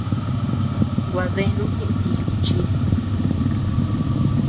Gua deanu ñeʼe ti kuchis.